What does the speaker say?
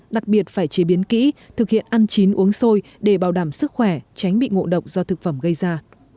đặc biệt phải chế biến kỹ thực hiện ăn chín uống sôi để bảo đảm sức khỏe tránh bị ngộ độc do thực phẩm gây ra